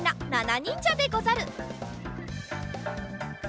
なにんじゃでござる。